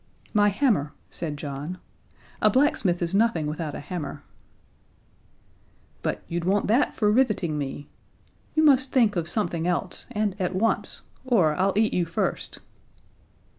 "My hammer," said John. "A blacksmith is nothing without a hammer." "But you'd want that for riveting me. You must think of something else, and at once, or I'll eat you first."